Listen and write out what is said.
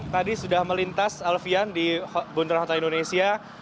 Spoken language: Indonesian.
tadi sudah melintas alfian di bundaran hotel indonesia